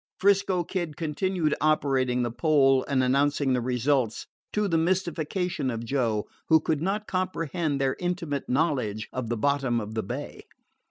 'Frisco Kid continued operating the pole and announcing the results, to the mystification of Joe, who could not comprehend their intimate knowledge of the bottom of the bay.